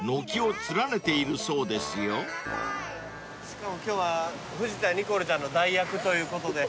しかも今日は藤田ニコルちゃんの代役ということで。